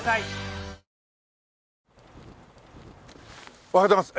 おはようございます。